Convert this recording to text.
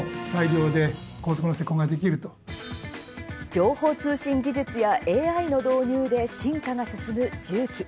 情報通信技術やＡＩの導入で進化が進む重機。